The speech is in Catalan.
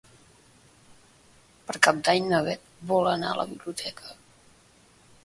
Per Cap d'Any na Bet vol anar a la biblioteca.